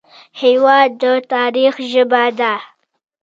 هېواد د تاریخ ژبه ده.